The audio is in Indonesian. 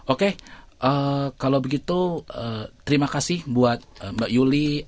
oke kalau begitu terima kasih buat mbak yuli